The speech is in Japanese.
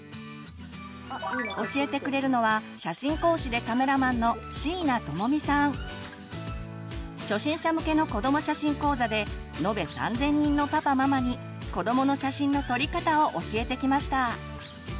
教えてくれるのは初心者向けの子ども写真講座で延べ３，０００人のパパママに子どもの写真の撮り方を教えてきました。